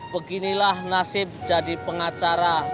beginilah nasib jadi pengacara